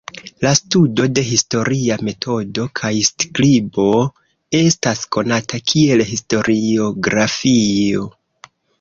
La studo de historia metodo kaj skribo estas konata kiel historiografio.